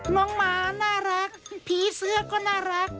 หมาน่ารักผีเสื้อก็น่ารัก